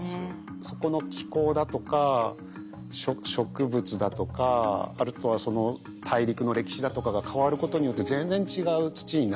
そこの気候だとか植物だとかあとはその大陸の歴史だとかが変わることによって全然違う土になっちゃって。